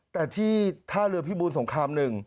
แต่ที่ท่าเรือพี่บูนสงครามหนึ่ง